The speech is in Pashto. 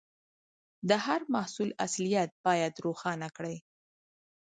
د هر محصول اصليت باید روښانه وي.